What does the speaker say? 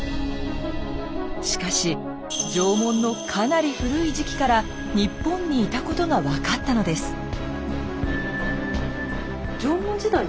しかし縄文のかなり古い時期から日本にいたことが分かったのです。